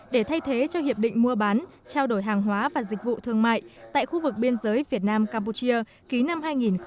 để thay thế cho hiệp định mua bán trao đổi hàng hóa và dịch vụ thương mại tại khu vực biên giới việt nam campuchia ký năm hai nghìn một mươi bảy